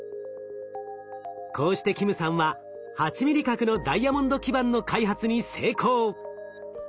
こうして金さんは８ミリ角のダイヤモンド基板の開発に成功。